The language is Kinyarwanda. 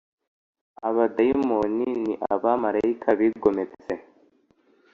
Abadayimoni ni abamarayika bigometse